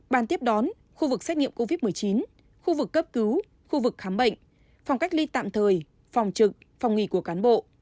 bàn tiếp đón khu vực xét nghiệm covid một mươi chín khu vực cấp cứu khu vực khám bệnh phòng cách ly tạm thời phòng trực phòng nghỉ của cán bộ